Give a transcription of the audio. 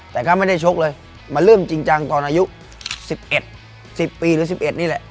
แต่ก็ไม่ได้ชกเลยมันเริ่มจริงจังตอนอายุ๑๑๐ปีหรือ๑๑นี่แหละ